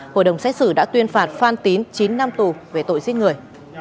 hội đồng xét xử đã tuyên phạt phan tín chín năm tù về tội giết người